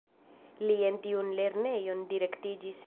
Li en tiun lernejon direktiĝis.